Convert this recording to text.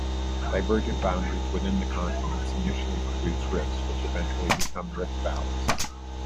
Divergent boundaries within continents initially produce rifts which eventually become rift valleys.